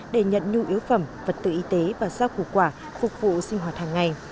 để nhận nhu yếu phẩm vật tự y tế và giao cụ quả phục vụ sinh hoạt hàng ngày